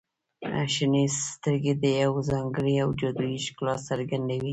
• شنې سترګې د یو ځانګړي او جادويي ښکلا څرګندوي.